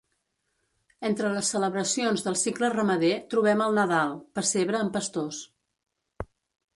Entre les celebracions del cicle ramader trobem el Nadal: pessebre amb pastors.